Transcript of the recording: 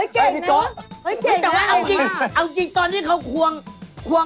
เอาจริงตอนที่เขาควอง